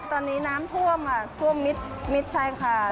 ตอนนี้น้ำท่วมค่ะท่วมมิดมิดใช่ค่ะ